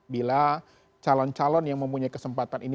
bila calon calon yang mempunyai kesempatan ini